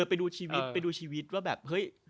ไปดูชีวิตไปดูชีวิตว่าแบบเฮ้ย